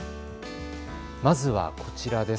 まずはこちらです。